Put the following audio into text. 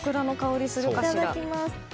いただきます。